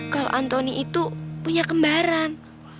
kalau anthony itu punya kembaran